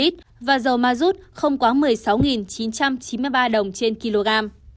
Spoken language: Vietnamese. dầu mazut không quá một mươi sáu chín trăm chín mươi ba đồng trên kg